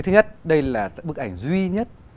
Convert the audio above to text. thứ nhất đây là bức ảnh duy nhất